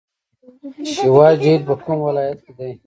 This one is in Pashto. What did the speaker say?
شیوا جهیل په کوم ولایت کې دی؟